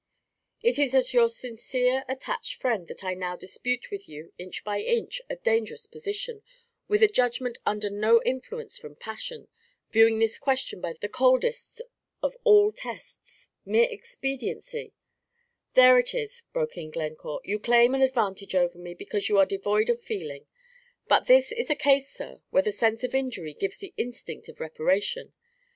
"It is as your sincere, attached friend that I now dispute with you, inch by inch, a dangerous position, with a judgment under no influence from passion, viewing this question by the coldest of all tests, mere expediency ' "There it is," broke in Glencore; "you claim an advantage over me, because you are devoid of feeling; but this is a case, sir, where the sense of injury gives the instinct of reparation.